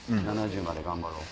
７０まで頑張ろう。